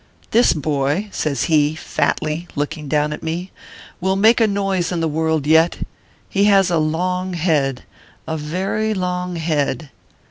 This boy," says he, fatly, looking down at me, " will make a noise in the world yet. He has a long head, a very long head."